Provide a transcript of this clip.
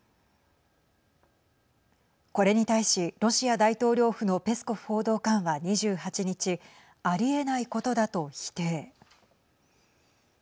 これに対し、ロシア大統領府のペスコフ報道官は２８日ありえないことだと否定。